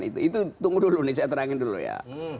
itu tunggu dulu saya terangkan dulu ya